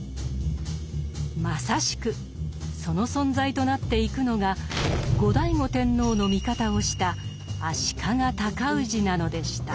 まさしくその存在となっていくのが後醍醐天皇の味方をした足利尊氏なのでした。